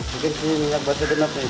mungkin sini ingat ingat betul betul